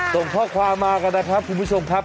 ส่งข้อความมากันนะครับคุณผู้ชมครับ